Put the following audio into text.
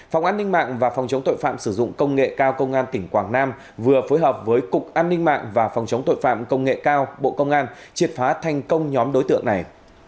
phòng an ninh mạng và phòng chống tội phạm sử dụng công nghệ cao công an tỉnh quảng nam vừa phối hợp với cục an ninh mạng và phòng chống tội phạm công nghệ cao bộ công an triệt phá thành công nhóm đối tượng này